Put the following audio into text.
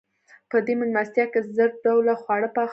په دې مېلمستیا کې زر ډوله خواړه پاخه وو.